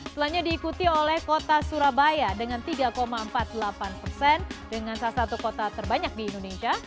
selanjutnya diikuti oleh kota surabaya dengan tiga empat puluh delapan persen dengan salah satu kota terbanyak di indonesia